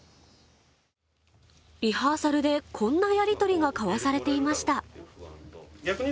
リハーサルでこんなやりとりが交わされていました・フフフ！